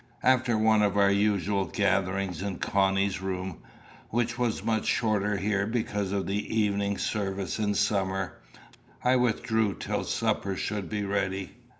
After one of our usual gatherings in Connie's room, which were much shorter here because of the evening service in summer, I withdrew till supper should be ready.